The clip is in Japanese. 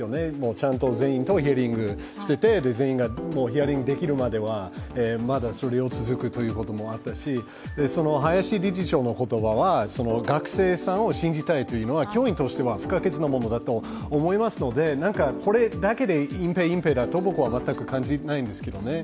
ちゃんと全員とヒアリングしてて、全員がヒアリングできるまではそれを続けるということもあったし、林理事長の言葉は、学生さんを信じたいというのは教員としては不可欠なものだと思いますのでこれだけで隠蔽、隠蔽だとは僕は全く感じないんですけどね。